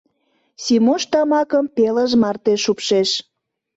Симош тамакым пелыж марте шупшеш.